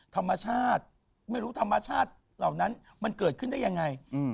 ธรรมชาติไม่รู้ธรรมชาติเหล่านั้นมันเกิดขึ้นได้ยังไง